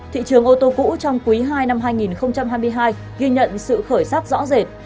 thị trường ô tô cũ trong quý ii năm hai nghìn hai mươi hai ghi nhận sự khởi sắc rõ rệt